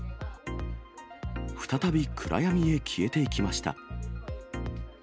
再び暗闇へ消えていきました。